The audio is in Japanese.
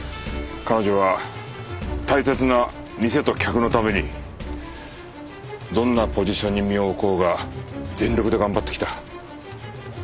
彼女は大切な店と客のためにどんなポジションに身を置こうが全力で頑張ってきた。